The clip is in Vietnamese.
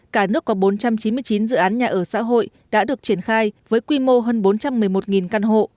cả nước có bốn trăm chín mươi chín dự án nhà ở xã hội đã được triển khai với quy mô hơn bốn trăm một mươi một căn hộ